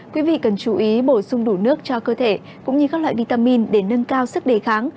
quý vị cần chú ý bổ sung đủ nước cho cơ thể cũng như các loại vitamin để nâng cao sức đề kháng